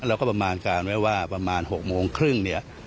เราก็ประมาณการไว้ว่าประมาณ๖โมงครึ่ง